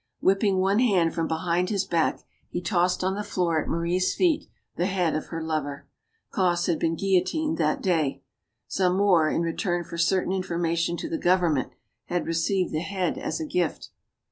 Whipping one hand from behind his back, he tossed on the floor at Marie's feet the head of her lover. Cosse had been guillotined that day. Zamore, in return for certain information to the government, had received the head as a gift.